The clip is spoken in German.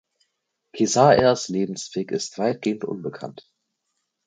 Kesaers Lebensweg ist weitgehend unbekannt.